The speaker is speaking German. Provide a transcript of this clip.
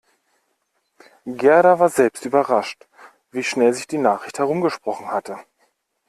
Gerda war selbst überrascht, wie schnell sich die Nachricht herumgesprochen hatte.